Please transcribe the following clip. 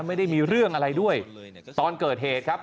ไม่ได้มีเรื่องอะไรด้วยตอนเกิดเหตุครับ